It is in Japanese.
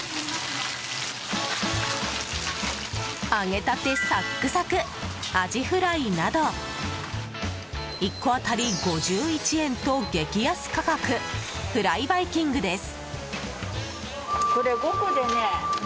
揚げたてサックサクアジフライなど１個当たり５１円と激安価格フライバイキングです。